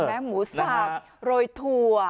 และหมูสักโรยถั่ว